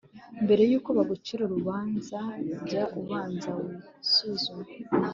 mbere y'uko bagucira urubanza, jya ubanza wisuzume